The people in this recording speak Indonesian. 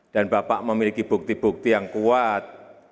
dan bapak memiliki bukti bukti yang kuat